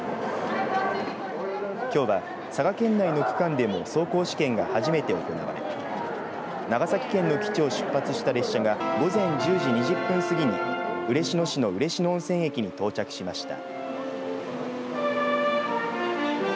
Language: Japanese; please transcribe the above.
きょうは佐賀県内の区間でも走行試験が初めて行われ長崎県の基地を出発した列車が午前１０時２０分過ぎに嬉野市の嬉野温泉駅に到着しました。